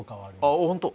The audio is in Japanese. ああホント？